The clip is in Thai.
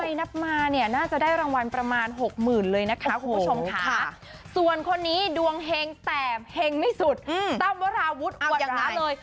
นับมาเนี่ยน่าจะได้รางวัลประมาณหกหมื่นเลยนะคะคุณผู้ชมค่ะส่วนคนนี้ดวงเฮงแต่เห็งไม่สุดตั้มวราวุฒิวังนะเลย